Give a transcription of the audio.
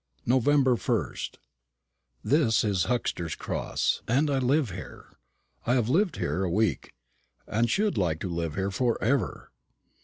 November 1st. This is Huxter's Cross, and I live here. I have lived here a week. I should like to live here for ever.